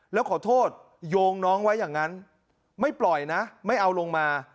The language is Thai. แล้วขอโทษโยงน้องไว้อย่างนั้นไม่ปล่อยนะไม่เอาลงมา